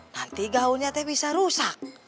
nanti gaunnya itu bisa rusak